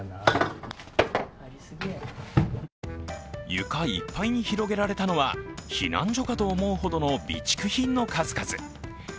床いっぱいに広げられたのは避難所かと思うほどの備蓄品の数々。